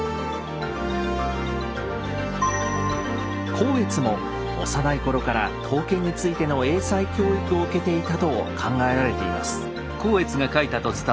光悦も幼い頃から刀剣についての英才教育を受けていたと考えられています。